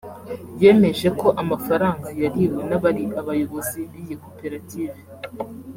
yemeje ko amafaranga yariwe n’abari abayobozi b’iyi Koperative